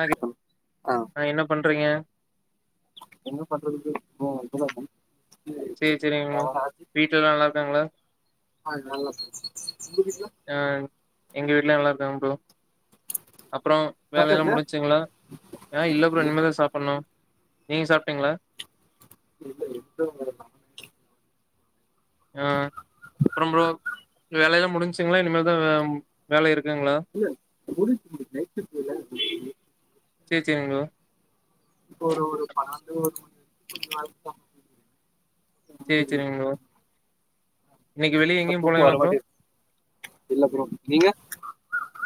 ஆ [inaudible] ஆ என்ன பண்றீங்க என்ன பண்றதுக்கே ஓ [unintelligible] ச்சே ச்செரிங்க வீட்லலா நல்லார்க்காங்ளா ஆது நல்லது ஆன் எங்க வீட்ல நல்லார்க்காங்க ப்ரோ அப்ரோ வேலையெல்லா முடிச்சிங்ளா ஆ இல்ல ப்ரோ இனிமேதா சாப்புணு நீங்க சாப்டீங்களா இல்ல இப்ப உங்ளோட ஆ ப்றம் ப்ரோ வேலையெல்லா முடிஞ்சிங்ளா இனிமே தா வேம் வேல இருக்குங்களா இல்ல முடின் முடி நைட்டுக் வேல [inaudible] ச்சே ச்செரிங் ப்ரோ ஒரு ஒரு பாடு [inaudible] ச்சே ச்செரிங் ப்ரோ இன்னைக்கு வெளிய எங்க்யும் தூக்கம் வர போலேங்களா ப்ரோ மாட்டேங்குது இல்ல ப்ரோ நீங்க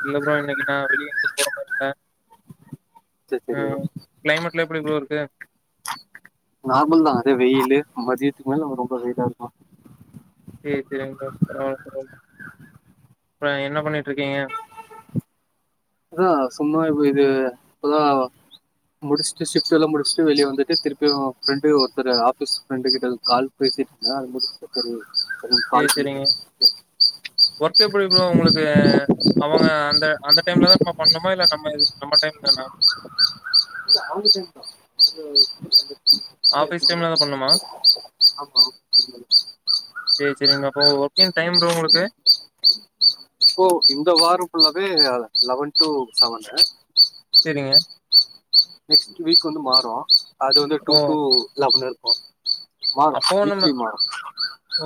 இல்ல ப்ரோ இன்னிக்கு நா வெளியன்ட்டு போற மார் இல்ல சரி சரி ப்ரோ ம் க்ளைமேட்லா எப்படி ப்ரோ இருக்கு நார்மல் தா அதே வெயிலு மதியத்துக்கு மேல நம்ம ரொம்ப வெயிலா இருக்கா சேர் செரிங் ப்ரோ பரவால பரவால் ப என்ன பண்ணிட்ருக்கீங்க அதா சும்மா விது இப்பதா அவ முடிச்ட்டு ஷிப்ட்டுல்லா முடிச்ட்டு வெளிய வந்துட்டு திருப்பியு ஃப்ரெண்டு ஒருத்தரு ஆஃபீஸ் ஃப்ரெண்டு கிட்ட கால் பேசிட்டு தா இருந்ததுக்கு சரி வெறு சேரி கால் பண்ணி சேரிங்க பெஸ்ட்டு ஒர்க் எப்டி ப்ரோ உங்களுக்கு அவங்க அந்த அந்த டைம்ல தான் நம்ம பண்ணணுமா? இல்ல நம்ம இது நம்ம டைம் தானா? கு இல்ல அவ்ங்க ச்சேன்தா [inaudible] ஆஃபிஸ் டைம்ல தா பண்ணும் ஆமா [inaudible] சரி, சரிங்க. அப்போ ஒர்க்கிங் டைம் ப்ரோ உங்களுக்கு? ஒ இந்த வாரோ ஃபுள்ளாவே லவன் டூ சவன்னு செரிங்க நெக்ஸ்ட் வீக் வந்து மாரு அது வந்து ஓ! டூ டூ லவன் இருக்கு ஆரு அப்பவும் நம்ம வீக்லி மாறு ஓ!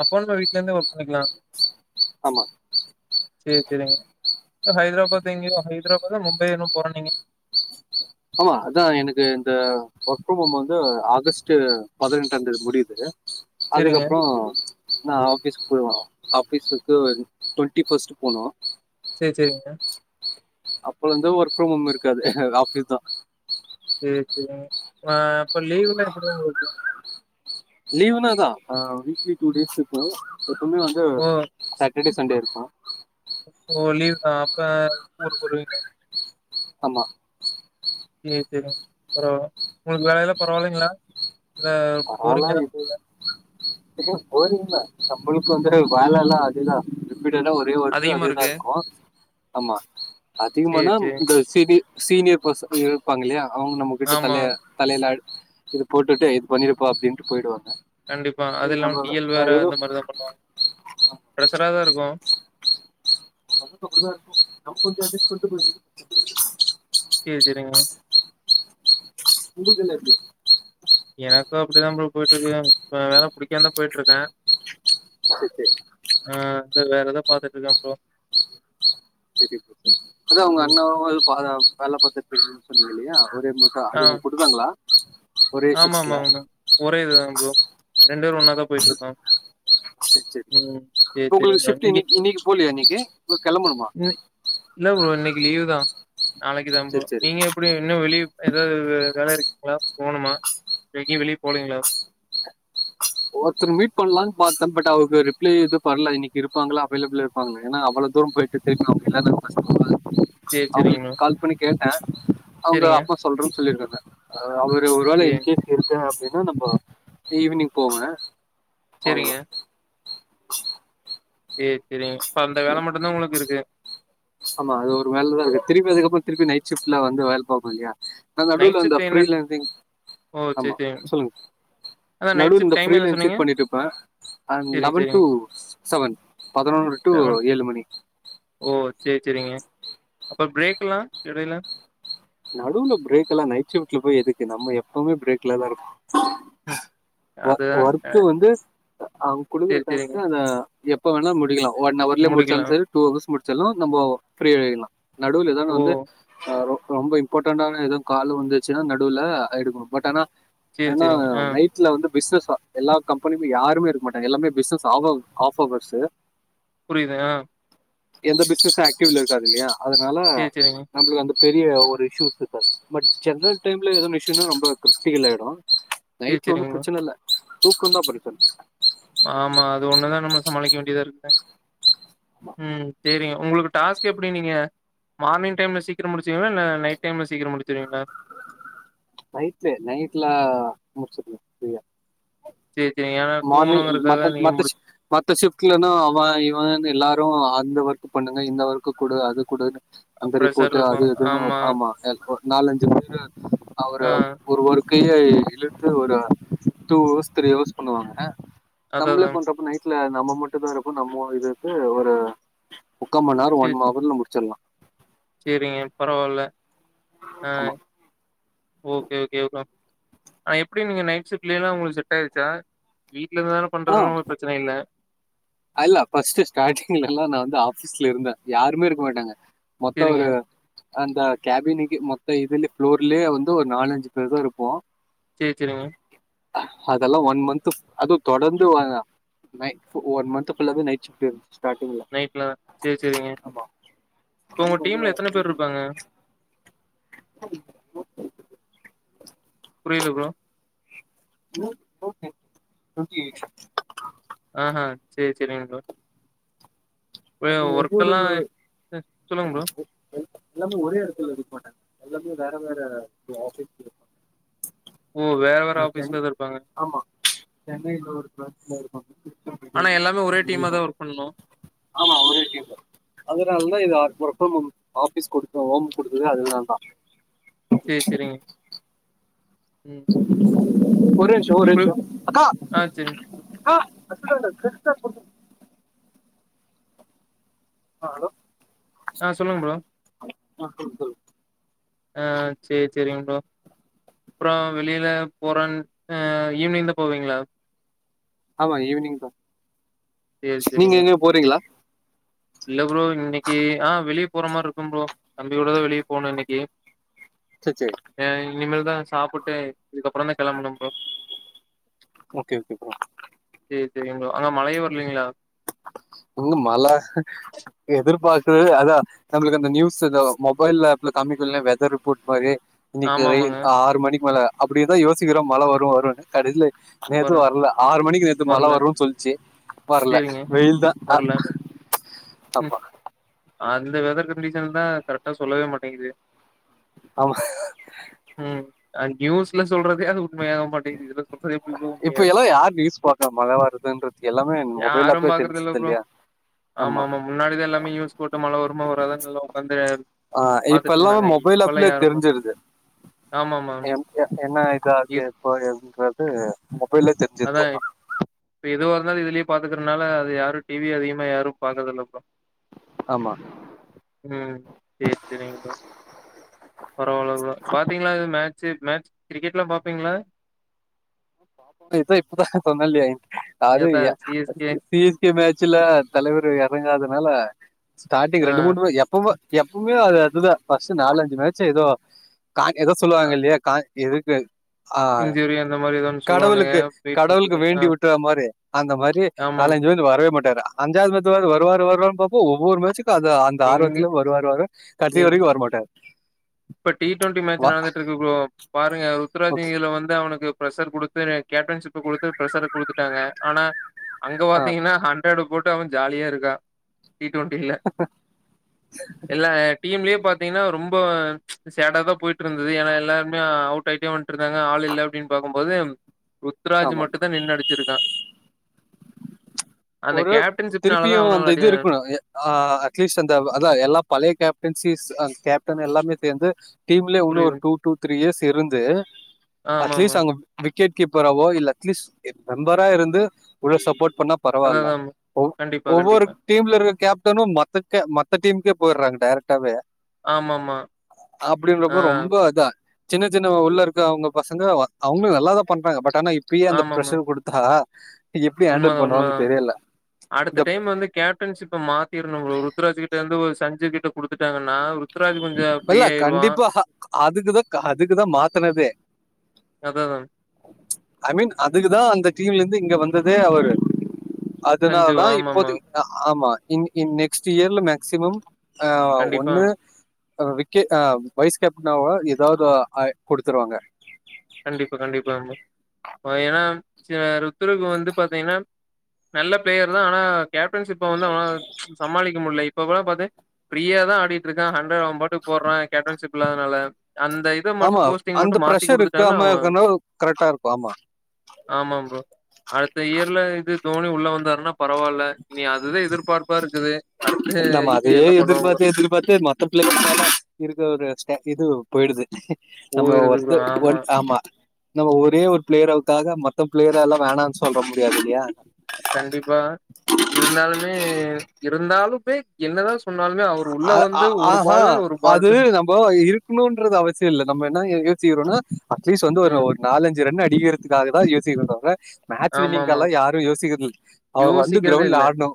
அப்பவும் நம்ம வீட்லருந்தே ஒர்க் அமா சேரி செரிங்க அ ஹைத்ராபாத் எங்க்யோ ஹைத்ராபாதா மும்பையா எனு போறன்னீஙக ஆமா அதா எனக்கு இந்த ஒர்க் ஃப்ரம் ஹோம் வந்து ஆகஸ்ட் பதினெட்டான் தேதி முடியிது சரிங்க. அதுகப்றோ நா ஆஃபீஸ் போய்வொ ஆஃபீஸுக்குன் டொண்ட்டி ஃபஸ்ட்டு போனோ ச்சேர் ச்செரிங்க அப்பலுந்து ஒர்க் ஃப்ரம் ஹோம் இருக்காது ஆஃபீஸ் தா சேர் செரிங்க ஆ அப்ப லீவுலா எப்டி உங்ளுக்கு லீவ்னா தா ஆ வீக்லி டூ டேஸ் இக்கு எப்புமே வந்து ஓ! சாட்டடே சண்டே இருக்கு ஓ லீவா அப்ப ஊருக்கொரு அமா சே செரிங் பரவால்ல உங்ளுக் வேலல்லா பரவாலிங்ளா ஆனா இப் இப்ப போறிங்ளா தம்முழுக்குந்து வாலலா அது தா ரிப்பிட்டட்டா ஒர் ரே வர்க்கு அதிகமா அதேதா இருக்கு. இர்க்கோ ஆமா சரி, அதிகமானா சரி. ன்தோய்ஸ் சிடி சீனியர் பசங்க இருப்பாங்க இல்லயா அவங்க நம்ம கிட்ட ஆமா. தலயா தலைல இது போட்டுட்டு இது பண்ணிருப்பா அப்டின்ட்டு போயிடுவாங்க கண்டிப்பா அது சரி இல்லாம நம்ம டி எல் வேற ஏதோ அந்த மாரிதா பண்ணுவாங்க ப்ரசரா தா இருக்கும் அப்டிதா குடுங்க நம்ம கொஞ்சொ அட்ஜஸ் பன்ட்டு போயிட்னு இருக்குறே உங்குள்கெல்லா எப்டி எனக்கு அப்டிதா ப்ரோ போயிட்ருக்கு இப்ப வேல புடிக்காம தா போயிட்ருக்கே செர் செர் ஆ செர் வேற எதோ பாத்துட்ருக்கே ப்ரோ செரி செரி ப்ரோ அதா அவங்க ம். அண்ணாவு எதோ ப அதா வேல பாத்துட் இருக்கீங்க சொன்னீங்க இல்லையா ஒரே மா கா அது உங் குடுதாங்ளா ஆமா ஆமா ஆமா ஒரே இதுதா ப்ரோ ரெண்டு வேரு ஒண்ணாதா போயிட்ருக்கோ செரி செரி உங்ளுக்கு ஷிஃப்ட்டு இங்க இன்னைக்கு இன்னிக்கு போலியா இன்னிக்கி உ கெளம்பணுமா இன் இல்ல ப்ரோ இன்னக்கி லீவ் தா நாளக்கி தான் ப்ரோ சரி சரி நீங்க ப்டி இன்னு வெளிய ஏதாவது வேல இருக்குங்ளா போணுமா எங்கியு வெளிய போலீங்ளா ஒருத்ர மீட் பண்ணலான்னு பாத்தே அவ்ங்க ரிப்ளை இது பன்ல இன்னகி இருப்பாங்களா அவைலபிள் வாங்க எனா அவ்ளோ தூரோ போயிட்டு திரும்பி வர கஸ்டமா இருக்கு சரி, சரிங்க அவுங்களுக்கு ப்ரோ. கால் பண்ணி கேட்டேன அவுங்க சரிங்க. அப்ற சொல்றேன்னு சொல்லியிருக்காங்க அவரு ஒரு வேள சரி, இன்கேஸ் இருக்க அப்டினா நம்போ ஈவினிங் போவ ஆங்க சரிங்க. சேரி சேரிங்க இப்ப அந்த வேல மட்டும்தா உங்ளுக்கு இருக்கு ஆமா அது ஒரு நல்ல வேலங்க திருப்பி வந்தக்கப்புற திருப்பி நைட் ஷிப்ட்ல வந்து வேல பாப்பிங்க அந் நைட் நடுவுல இந்த ஷிஃப்ட் என்ன? ஃப்ரீ லென்ஸிங் ஓ! சரி, ஆமா சரிங்க. சொல்லுங் அதா நைட் நடுவுல ஷிஃப்ட் இந்த ஃப்ரீ டைம் என்ன லென்ஸிங் சொன்னீங்க? பண்ணிட்ருப்பே சரிங்க லெவன் டூ சரிங்க. செவன் பதினொன்னு டூ ஏழு மணி ஓ சேர் செரிங்க அப்றோ ப்ரேக் எல்லா எடைல நடுவுல ப்ரேக் எல்லா நைட் ஷிஃப்ட்ல போயி எதுக்கு நம்ம எப்பவுமே ப்ரேக்ல தான் ம். இருப் ஒ அதுதான் அ ஒர்க்கு வந்து அவங் குடுக்குற சரி சரிங்க. டாஸ்க்கனா அத எப் எப்ப வேணா முடிக்லா ஒன் அவர்லயே முடிச்சாலு முடிக்கலாம். செரி டூ ஹவர்ஸ் முடிச்சாலு நம்போ ஃப்ரீயாவேக்கலா நடுவுல ஏதானா ஓ! வந்து ஆ ரொம் ரொம்ப இம்பாட்டன்ட்டான எதோ காலு வந்துச்சுன்னா நடுவுல எடுக்கணும் பட் அனா சரி என்னா சரிங்க. ஆ நை வீட்ல வந்து பிசுனஸ் எல்லா கம்பணியுமே யாருமே இருக்க மாட்டாங்க எல்லாமே பிசுனஸ் அவுங்க ஆஃப் அவர்ஸு புரியுதா எந்த பிசுனஸு ஆக்டிவ்ல இருக்காது இல்லையா அதனால சரி சரிங்க. நம்ளுக்கு அந்த இல்ல ஒரு இஷூ இருக்கு சார் பட் ஜென்ரல் டைம்ல ஏதோ மிஷின் ரொம்ப க்ரிடிகல் ஆயிடு சரி நைட்ல சரிங்க ஒன்னும் ப்ரோ. ப்ரச்சன ல்ல தூக்கம் தா ப்ரச்சன ஆமா அது ஒண்ணுதா நம்ம சமாளிக்க வேண்டியதா இருக்கு உம் சேரிங்க உங்களுக்கு டாஸ்க் எப்டி நீங்க மார்னிங் டைம்ல சீக்ரம் முடிச்சுடுவீங்ளா இல்ல நைட் டைம்ல சீக்கரம் முடிச்சுடுவீங்ளா நைட்ல நைட்லா முடிச்சுட்லா ப்ரீயா சேர் செரிங்க அ மார்னிங் மத்த மத்த சி மத்த ஷிஃப்ட்லனா அவ இவனு எல்லாரு அந்த ஒர்க் பண்ணுங்க இந்த ஒர்க்கு குடு அது குடுன்னு அந்த ப்ரஷர் ரிப்போட்டு அது இருக்கும். இதுனு வரு ஆமா எல்போ நாலஞ்சு பேரு அவரு ஆ ஒரு ஒர்க்கையே இழுத்து ஒரு டூ அவர்ஸ் த்ரீ அவர்ஸ் பண்ணுவாங்க அதான் நம்ளே அதான். பண்றப்போ நைட்ல நம்ம மட்டுந்தா இருப்போ நம்மோ இதுக்கு ஒரு முக்கா மண்நேரொ ஒன் அவர்ல முடிச்சர்லா சேரிங்க பரவாயில்ல ஆ ஆமா ஓகே ஓகே [unintelligible] ஆ எப்டி நீங்க நைட் ஷிஃப்ட்ல எல்லா உங்களுக்கு செட் ஆயிடுச்சா வீட்ல இருந்து தானே பண்றனால ஒரு பிரச்சன இல்ல அல்ல ஃபர்ஸ்ட்டு ஸ்டார்டிங்ல எல்லா நா வந்து ஆஃபீஸ்ல இருந்தே யாருமே இருக்க மாட்டாங்க மொத்த சேரிங்க. ஒரு அந்த கேபினுக்கே மொத்த இதுல ஃபுளோர்லயே வந்து ஒரு நாலஞ்சு பேர் தா இருப்போ சேரி சேரிங்க அதெல்லா ஒன் மந்து அதுவு தொடர்ந்து வ நை ஃபு ஒன் மந்த் துப்புள்ள இருந்து நைட் ஷிஃப்ட்டே இருந்துச்சு ஸ்டார்டிங்ல நைட்ல சேரி சேரிங்க ஆமா இப்போ உங்க டீம்ல எத்தன பேர்ருப்பாங்க [inaudible] புரியில ப்ரோ ம் ஓகே நூத்தி எக்ஸ் ஆஹா சேர் செரிங்க ப்ரோ ப்ரோ அது ஒவ்வொரு ஒர்க்கெல்லா [inaudible] அ சொல்லுங்க ப்ரோ. எல்லாமே ஒரே எடத்துல இருக்க மாட்டாங்க எல்லாமே வேற வேற ஆஃபீஸ்ல இரு ஓ வேற வேற ஆஃபீஸ்ல தா இருப்பாங்க சென்னைல ஒரு ப்ரஸ்ல இருப்பாங்க ஆனா எல்லாமே ஒரே டீமா திருச்சி தான் ஒர்க் பண்ணணும். [inaudible] ஆமா அவரு எ டீம் தா அதனால தா இது அப்பப்போம் ஆஃபிஸ் குடுத்த ஹோம் குடுத்ததே அதுனால் தா சேர் செரிங்க ம் ஒரே நிம்ஷோ ஒரே எப்டி நிம்ஷோ அக்கா ஆ சேரிங்க. அந்த [unintelligible] ஆ ஹலோ ஆ சொல்லுங்க ப்ரோ ஆ சொல்லுங்க சொல்லுங் ஆ சேரி சேரிங்க ப்ரோ அப்புறோ வெளியில போற ஆ ஈவ்னிங் தா போவீங்களா ஆமா ஈவ்னிங் தா சேரி செரிங்க இல்ல ப்ரோ இன்னிக்கு ஆ வெளிய போற மாரி இருக்கும் ப்ரோ தம்பியோட தா வெளியே போணு இன்னைக்கி சரி சரி ஏ இனிமேல் தா சாப்புட்டு இதுக்கப்புறோ தா கெளம்பணு ப்ரோ ஓகே ஓகே ப்ரோ சேரி சேரி அங்க அங்க மழையே வர்லைங்களா ம் மழ எதிர்பாக்க அதா நம்மளுக்கு அந்த நியூஸ்தா மொபைல் ஆப்ல கமிக்குல வெதர் ரிப்போர்ட் மாரி இன்னிக்கு ரைன் ஆமாமாங்க. ஆறு மணிக்கு மேல அப்டிதா யோசிக்கிறோ மழ வரு வருன்னு கடைசில வர நேத்து வர்ல ஆறு மணிக்கு நேத்து மழ வரல. வரு சொல்ச்சு வர்ல சரிங்க. வெயில்தா அ வரல. ம். தப்பா அந்த வெதர் கண்டிஷன்தா கரெக்டா சொல்லவே மாட்டேங்குது ஆமா ம் ஆ நியூஸ்ல சொல்றதே அது உண்மையாக மாட்டேங்குது இதுல சொல்றது எப்படி ப்ரோ உண்மையா இப்ப இருக்கும்? எல்லா யார் நியூஸ் பாக்கா மழ வருதுன்றது எல்லாமே மொபைல் யாரும் ஆப்லயே தெரிஞ்சிருது இல்லையா ஆமா முன்னாடிதா எல்லாமே நியூஸ் போட்டு மழ வருமா வராதான்னு எல்லா உக்காந்து ஆ இப்ப எல்லாமே மொபைல் ஆப்லயே தெரிஞ்சிருது ஆமாமா. ஏ என்ன இது அது இப் எப்ப என்னன்றது மொபைலயே தெரிஞ்சி அதா இப் ப எதுவா இருந்தாலு இதுலயே பாத்துக்கறனால அது யாரு டி வி அதிகமா யாரு பாக்கறது இல்ல போல ஆமா ம் சேர் சேரிங்க ப்ரோ பரவாயில்ல ப்ரோ பாத்தீங்களா எது மேட்சு மேட்ச் கிரிக்கெட்ல்லா பாப்பீங்களா இதோ இப்பதா சொன்னன்லையா அது அதா யா சி எஸ் கே டீஸ் டீம் மேட்சுல தலைவர் எறங்காததுனால ஸ்டார்டிங் ஆ ரெண்டு மூணு மே எப் பவு எப்பவுமே அது அதுதா ஃபர்ஸ்ட்டு நாலஞ்சு மேச்ச ஏதோ கா ஏதோ சொல்லுவாங்க இல்லையா கா எதுக்கு ஆ இவிங்க அந்த மாரி எதோன்னு சொல் கடவுளுக்கு கடவுளுக்கு வேண்டி விட்ட மாரி அந்த மாரி ஆமாம் நாலஞ்சு எழுந்து வரவே மாட்டாரு அஞ்சாவது மேட்ச்சாது வருவாரு வருவாருன்னு பாப்போ ஒவ்வொரு மேட்சுக்கு அதா அந்த எங்க ஆர்வத்துல வருவார் வர்வார் கடசி எங் வரைக்கு வரமாட்டாரு இப்ப டீ டுவெண்டி வ மேட்ச் நடந்துட்டு இருக்கு ப்ரோ பாருங்க ருத்ராஜிங் ஓகே. இதுல வந்து அவனுக்கு பிரஷர் குடுத் இதுல கேப்டன்ஷிப்ப குடுத்து பிரசர குடுத்துட்டாங்க ஆனா அங்க ஆ பாத்தீங்கன்னா ஹண் ரேட் போட்டு அவே ஜாலியா இருக்கா டீ டுவெண்டில இல்ல டீம்லயே பாத்தீங்கன்னா ரொம்ப சேடாதா போயிட்டு இருந்தது ஏன்னா எல்லாருமே அவுட் ஆயிட்டே வந்ட்டுருந்தாங்க ஆள் இல்ல அப்டின்னு பாக்கும் போது ருத்ராஜ் ஆமா. மட்டுந்தா நின்னு அடிச்சிருக்கா அந்த ஒரு கேப்டன்ஷிப்னாலதா திருப்பியு அந்த அவனால அடி இது இருக்கணு ஆ அட்லீஸ்ட் அந்த அதா எல்லா பழைய கேப்டன்சிஸ் கேப்டன் எல்லாமே சேந்து டீம்லயே இன்னொரு புரியுது டூ டூ த்ரீ இயர்ஸ் இருந்து ஆமாமா அட்லீஸ்ட் அங்க விக்கெட் கீப்பராவோ இல்ல அட்லீஸ்ட் மெம்பரா இருந்து உள்ள சப்போர்ட் பண்ணா பரவாயில்ல அததாமா ஒ கண்டிப்பா ஒவ்வொரு கண்டிப்பா. டீம்ல இருக்கிற கேப்டனு மத்தக் மத்த டீம்க்கே போயிர்றாங்க டைரெக்டாவே ஆமாமா. ஆ அப்டின்றப்ப ரொம்ப அதா சின்ன சின்ன உள்ள இருக்க அவங்க பசங்க அவங்களு நல்லாதா பண்றாங்க பட் ஆனா இப்பயே அந்த ஆமாமா. ப்ரஷர் குடுத்தா எப்டி ஹேண்டில் பண்ணுவாங்க ம் தெரியல அடுத்த இந்த டைம் வந்து கே ப்டன்ஷிப்ப மாத்திர்னு ப்ரோ ருத்ராஜ் கிட்ட இருந்து ஒரு சஞ்சி கிட்ட குடுத்துட்டாங்கன்னா ருத்ராஜ் கொஞ்சோ ஃப்ரீ இல்ல ஆயிருவா கண்டிப்பா அதுக்குதா க அதுக்குதா மாத்தனதே அதா அதா ஐ மீன் அதுக்குதா அந்த டீம்ல இருந்து இங்க வந்ததே அவரு சஞ்சு அதனாலதா ஆமாமா. இப்போதக்கி ஆமா இங் இ நெக்ஸ்ட் இயர்ல மேக்சிமம் ஆ கண்டிப்பா, ஒன்னு ஆ விக்கெட் ஆ வைஸ் கேப்ட்னாவோ ஏதாவது ஆ குடுத்துருவாங்க கண்டிப்பா கண்டிப்பா ஆமா ஆ ஏனா சில ருத்துரங்க வந்து பாத்தீங்னா நல்ல பிளேயர்னா ஆனா கேப்டன்ஷிப்ப வந்து அவனாள சமாளிக்க முட்ல இப்ப கூட பாத்தே ஃப்ரீயாதா ஆடிட்ருக்கா ஹண்ரட் அவ பாட் டுக் போட்றா கேப்டன்ஷிப் இல்லாதனால அந்த இத ஆமா மட்டும் போஸ்டிங் அந்த மட்டும் மாத்தி பிரஷர் குடுத்துட்டாங்கன்னா இருக்காம அவன் இருக்கணு கரெக்டா இருக்கு ஆமா ஆமா ப்ரோ அடுத்த இயர்ல இது தோனி உள்ள வந்தாருனா பரவால்ல இனி அதுதா எதிர்பார்ப்பா இருக்குது அடுத்து ஐ பி எல் ல என்ன பண்ணுவாங்களோ சுழுக்கார்க்தேமா இருக்க ஒரு ஸ்பெ இது போயிடுது நம்ம போயிருது ஒர்த்து ப்ரோ ஒன் ஆமா நம்ம ஒரே ஒரு பிளேயராவுக்காக மத்தப் பிளேயரெல்லா வேணான் சொல்ற முடியாது இல்லையா கண்டிப்பா இருந்தாலுமே இருந்தாலுமே என்னதா சொ சொன்னாலுமே அவரு உள்ள வந்து ஒரு பால் நாலு ஒரு பால் ப்ரோ இருக்கணுன்றது அவசிய இல்ல நம்ம என்னா யோசிக்கிறோனா அட்லீஸ்ட் வந்து ஒரு ம் அவார்ட் நாலஞ்சு ரன்னு அடிக்கிறத்துக்காக தா யோசிக்குறோ நம்ப மேட்ச் ஆமாமா வின்னிங்கெல்லா யாரு யோசிக்கிறதில்ல அவரு வந்து யோசிக்கிறதே கிரௌண்ட்ல இல்ல ஆட்ணு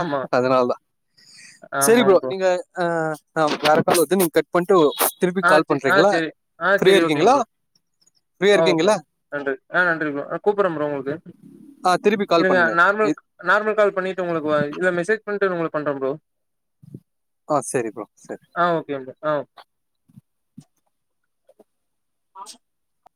ஆமா அதனால்தா சுரி ப்ரோ நீங்க அ அ வேறக் கால் வருது நீங்க கட்‌பண்ட்டு ஆ சே ஆ சேரி ஆ சேரி ஓகேங் இருக்கீங்களா ப்ரோ ஃப்ரீயா ஆ ஓகே இருக்கீங்களா நன்றி ஆ நன்றி ப்ரோ நா கூப்பிட்றே ப்ரோ உங்களுக்கு ஆ திருப்பி கால் இருங்க பண்ணுங்க நார்மல் இ- நார்மல் கால் பண்ணிட்டு உங்களுக்கு வாய் இல்ல மெசேஜ் பண்ணிட்டு உங்களுக்கு பண்ற ப்ரோ ஆ சேரி ப்ரோ சேரி ஆ ஓகேங் ப்ரோ ஆ ஓக் ஆ